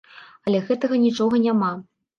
Але гэтага нічога няма.